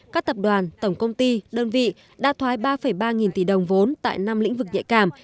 các tập đoàn tổng công ty đơn vị đã thoái ba ba nghìn tỷ đồng vốn tại năm lĩnh vực nhạy cảm